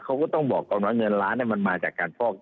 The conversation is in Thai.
เขาก็ต้องบอกก่อนว่าเงินล้านมันมาจากการฟอก